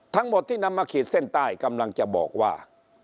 ทั้งหมดที่นำมาขีดเส้นใต้กำลังจะบอกว่า